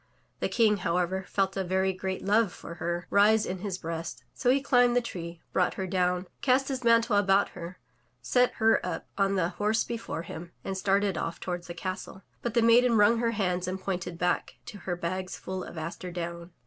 The King, however, felt a very great love for her rise in his breast, so he cUmbed the tree, brought her down, cast his mantle about her, set her up on the horse before him, and started off toward the castle. But the maiden wrung her hands and pointed back to her bags full of aster down.